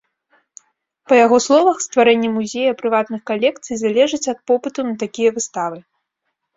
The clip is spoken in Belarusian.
Па яго словах, стварэнне музея прыватных калекцый залежыць ад попыту на такія выставы.